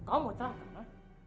kamu mau terlalu lama